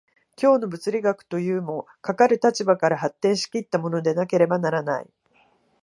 今日の物理学というも、かかる立場から発展し来ったものでなければならない。